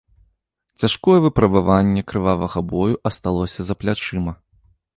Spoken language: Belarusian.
Цяжкое выпрабаванне крывавага бою асталося за плячыма.